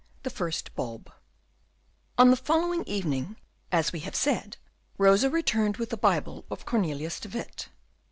The First Bulb On the following evening, as we have said, Rosa returned with the Bible of Cornelius de Witt.